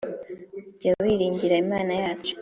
Jya wiringira Imana yacu.